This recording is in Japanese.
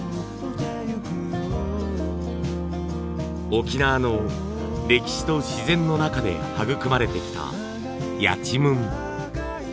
沖縄の歴史と自然の中で育まれてきたやちむん。